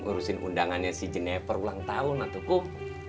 urusin undangannya si jennifer ulang tahun atukum